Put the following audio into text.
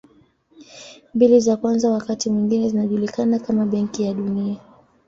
Mbili za kwanza wakati mwingine zinajulikana kama Benki ya Dunia.